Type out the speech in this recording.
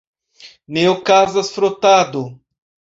Ne okazas frotado!